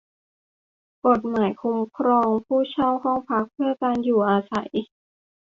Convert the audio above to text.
กฎหมายคุ้มครองผู้เช่าห้องพักเพื่อการอยู่อาศัย